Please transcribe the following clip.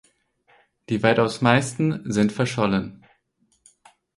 Die weitaus meisten sind verschollen.